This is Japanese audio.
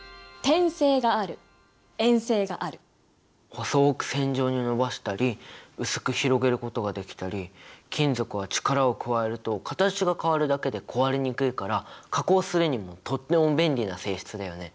細く線状に延ばしたり薄く広げることができたり金属は力を加えると形が変わるだけで壊れにくいから加工するにもとっても便利な性質だよね。